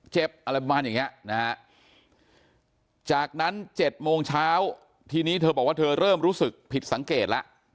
อะไรประมาณอย่างนี้นะฮะจากนั้น๗โมงเช้าทีนี้เธอบอกว่าเธอเริ่มรู้สึกผิดสังเกตแล้ว